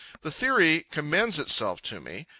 The theory commends itself to me.